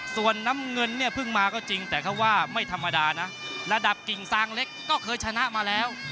ส่วนน้ำเงินเนี่ยเพิ่งมาก็จริงแต่เขาว่าไม่ธรรมดานะระดับกิ่งซางเล็กก็เคยชนะมาแล้ว